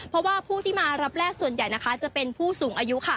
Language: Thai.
เพราะว่าผู้ที่มารับแรกส่วนใหญ่จะเป็นผู้สูงอายุ